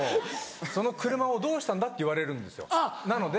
その車をどうしたんだ？って言われるんですよなので。